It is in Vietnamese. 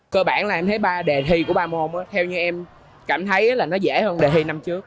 cơ bản là em thấy ba đề thi của ba môn theo như em cảm thấy là nó dễ hơn đề thi năm trước